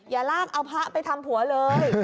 อย่าลากเอาพระไปทำผัวเลย